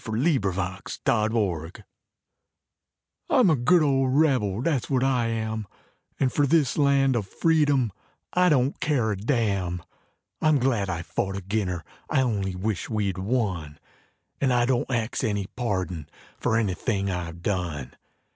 I'M A GOOD OLD REBEL Oh, I'm a good old rebel, that's what I am; And for this land of freedom, I don't care a damn, I'm glad I fought agin her, I only wish we'd won, And I don't axe any pardon for anything I've done.